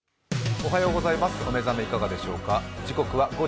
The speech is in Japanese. お目覚めいかがでしょうか。